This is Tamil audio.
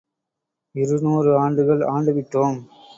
இருநூறு ஆண்டுகள் ஆண்டுவிட்டோம்.